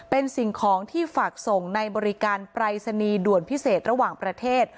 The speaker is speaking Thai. เป็นสิ่งของที่ฝากส่งในบริการปรายศนีย์ด่วนพิเศษระหว่างประเทศ